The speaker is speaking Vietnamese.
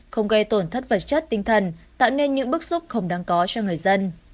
không gây tổn thất vật chất tinh thần tạo nên những bức xúc không đáng có cho người dân